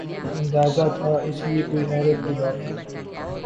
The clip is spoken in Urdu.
اندازہ تھا ، اس لئے کوئی حیرت کی بات نہیں ۔